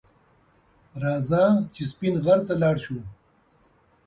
راځه چې سپین غر ته لاړ شو